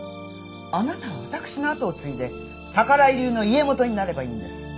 あなたは私のあとを継いで宝居流の家元になればいいんです。